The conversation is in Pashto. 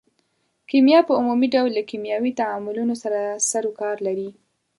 کیمیا په عمومي ډول له کیمیاوي تعاملونو سره سرو کار لري.